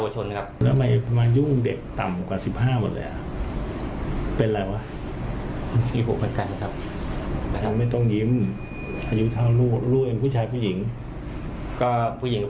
โอ้โหอายุเท่าลูกเลยคุณ